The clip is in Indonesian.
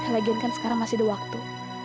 lagiin kan sekarang masih ada waktu